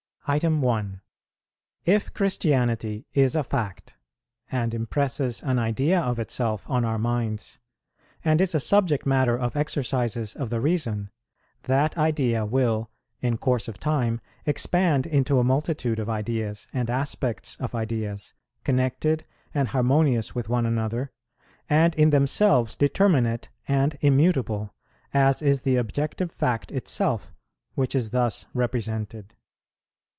1. If Christianity is a fact, and impresses an idea of itself on our minds and is a subject matter of exercises of the reason, that idea will in course of time expand into a multitude of ideas, and aspects of ideas, connected and harmonious with one another, and in themselves determinate and immutable, as is the objective fact itself which is thus represented.